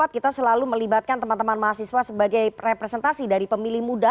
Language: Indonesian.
kita selalu melibatkan teman teman mahasiswa sebagai representasi dari pemilih muda